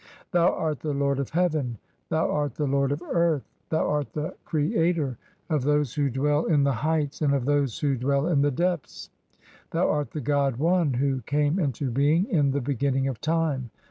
Thou "art the lord of heaven, [thou art] the lord of earth; [thou art] the "creator of those who dwell (6) in the heights and of those who "dwell in the depths. 2 [Thou art] the God One who came into being "(7) in the beginning of time.